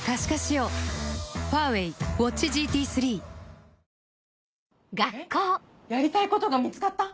えっやりたいことが見つかった？